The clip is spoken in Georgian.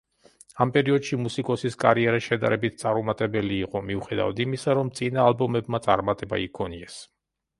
ამ პერიოდში მუსიკოსის კარიერა შედარებით წარუმატებელი იყო, მიუხედავად იმისა, რომ წინა ალბომებმა წარმატება იქონიეს.